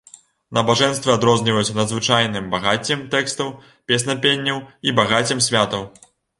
Набажэнствы адрозніваюцца надзвычайным багаццем тэкстаў, песнапенняў і багаццем святаў.